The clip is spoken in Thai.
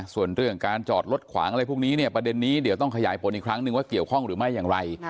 ส่วนเรื่องการจอดรถขวางอะไรพวกนี้เนี่ยประเด็นนี้เดี๋ยวต้องขยายผลอีกครั้งนึงว่าเกี่ยวข้องหรือไม่อย่างไร